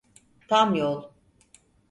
Tam yol…